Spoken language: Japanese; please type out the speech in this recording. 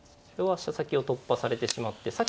これは飛車先を突破されてしまって。